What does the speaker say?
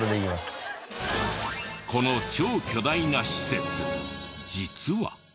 この超巨大な施設実は。